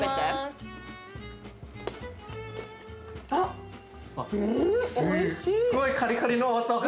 すっごいカリカリの音が。